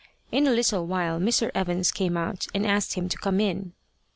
In a little while Mr. Evans came out, and asked him to come in.